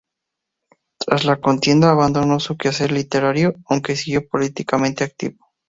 Tras la contienda, abandonó su quehacer literario, aunque siguió políticamente activo.